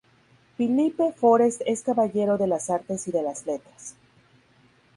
Philippe Forest es caballero de las Artes y de las Letras.